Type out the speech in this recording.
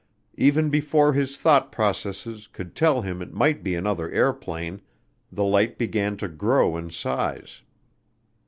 Even before his thought processes could tell him it might be another airplane the light began to grow in size.